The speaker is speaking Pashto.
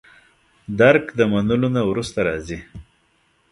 درک د منلو نه وروسته راځي.